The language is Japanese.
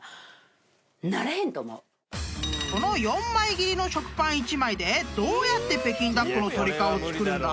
［この４枚切りの食パン１枚でどうやって北京ダックの鳥皮を作るんだ？］